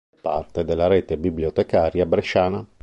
È parte della Rete bibliotecaria bresciana.